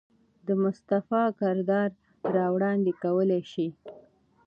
د مصطفى کردار را وړاندې کولے شي.